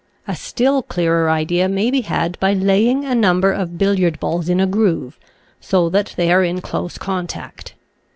A still clearer idea may be had by laying a number of bil liard balls in a groove, so that they are in close contact.